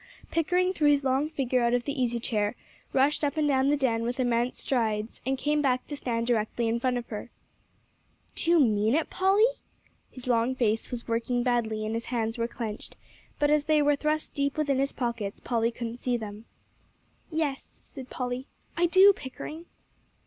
Pickering threw his long figure out of the easy chair, rushed up and down the den with immense strides, and came back to stand directly in front of her. "Do you mean it, Polly?" His long face was working badly, and his hands were clenched, but as they were thrust deep within his pockets, Polly couldn't see them. "Yes," said Polly, "I do, Pickering."